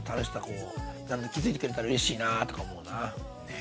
こう気付いてくれたらうれしいなとか思うな。ね